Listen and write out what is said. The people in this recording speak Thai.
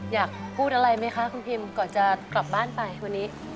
อยากพูดอะไรไหมคะคุณพิมก่อนจะกลับบ้านไปวันนี้